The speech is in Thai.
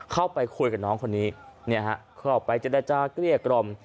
เข้าไปคุยกับน้องคนนี้เข้าไปเจรจาเกลี้ยกล่อม